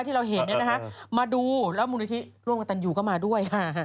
ที่เราเห็นมาดูแล้วมูลนิธิร่วมกับตันยูก็มาด้วย